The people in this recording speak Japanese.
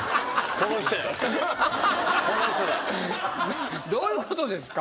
この人や。どういうことですか？